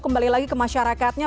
kembali lagi ke masyarakatnya